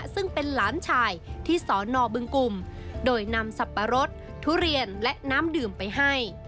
ซึ่งเป็นหลานชายที่สอนอบึงกลุ่มโดยนำสับปะรดทุเรียนและน้ำดื่มไปให้